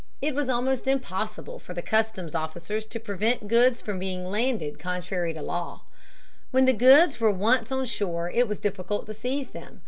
It was almost impossible for the customs officers to prevent goods being landed contrary to law. When the goods were once on shore, it was difficult to seize them.